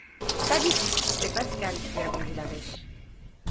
Pas du tout! C’est Pascal qui a vendu la mèche.